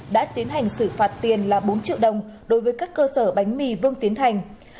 đã tiến hành xử phạt tiền là bốn triệu đồng đối với các cơ sở bánh mì vương tiến thành